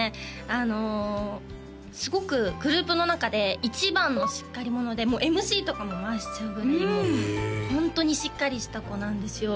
あのすごくグループの中で一番のしっかり者でＭＣとかも回しちゃうぐらいもうホントにしっかりした子なんですよ